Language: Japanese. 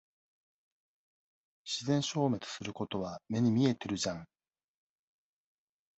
自然消滅することは目に見えてるじゃん。